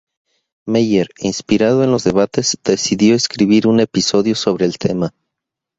Meyer, inspirado en los debates, decidió escribir un episodio sobre el tema.